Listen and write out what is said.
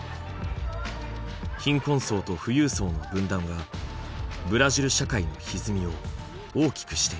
貧困層と富裕層の分断はブラジル社会のひずみを大きくしています。